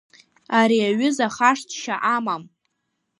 Ари аҩыза хашҭшьа амам.